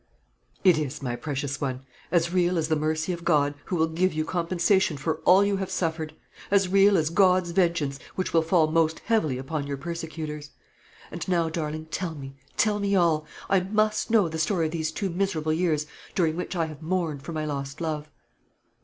"It is, my precious one. As real as the mercy of God, who will give you compensation for all you have suffered; as real as God's vengeance, which will fall most heavily upon your persecutors. And now, darling, tell me, tell me all. I must know the story of these two miserable years during which I have mourned for my lost love."